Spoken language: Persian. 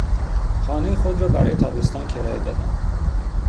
خانهی خود را برای تابستان کرایه دادم.